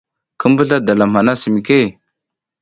Ki mbuzla dalam hana asi mike ?